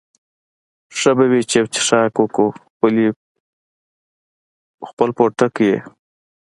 ښه به وي چې یو څښاک وکړو، خپل پوټکی یې.